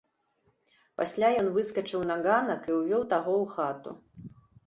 Пасля ён выскачыў на ганак і ўвёў таго ў хату.